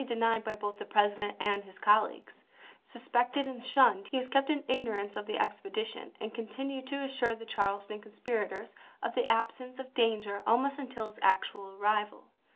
denied by both the President and his colleagues. Thompson ^° toBuchan Suspected and shunned, he was kept in ignorance ■Sijgjf1' of the expedition, and continued to assure the Charleston conspirators of the absence of danger almost until its actual arrival.